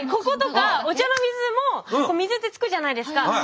こことかお茶の水も水って付くじゃないですか。